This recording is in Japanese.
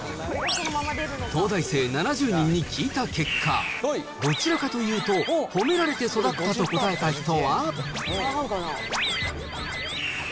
東大生７０人に聞いた結果、どちらかというと、褒められて育ったと答えた人は６９％。